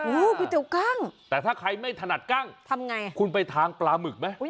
ก๋วยเตี๋ยวกั้งแต่ถ้าใครไม่ถนัดกั้งทำไงคุณไปทานปลาหมึกไหม